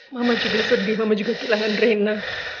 mama juga sedih mama juga kehilangan reina